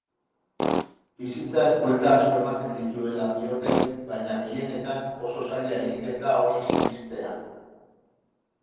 Bizitzak buelta asko ematen dituela diote baina gehienetan oso zaila egiten da hori sinestea.